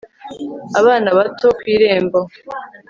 Abana bato ku irembo